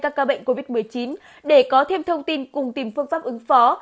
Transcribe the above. các ca bệnh covid một mươi chín để có thêm thông tin cùng tìm phương pháp ứng phó